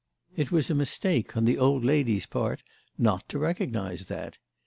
It was a mistake on the old lady's part not to recognise that.